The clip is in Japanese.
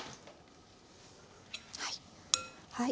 はい。